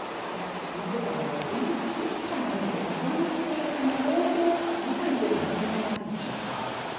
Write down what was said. そしてもう一つ電通一社に依存しているこの構造自体というのは問題はないんでしょうか。